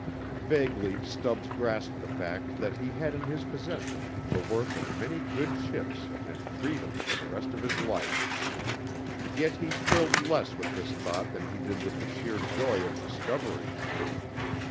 Vaguely Stubbs grasped the fact that he had in his possession the worth of many good ships and freedom for the rest of his life. Yet he thrilled less with this thought than he did with the sheer joy of discovery.